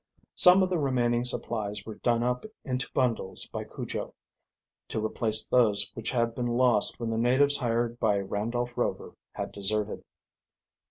Some of the remaining supplies were done up into bundles by Cujo, to replace those which had been lost when the natives hired by Randolph Rover had deserted.